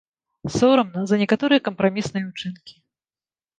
Сорамна за некаторыя кампрамісныя ўчынкі.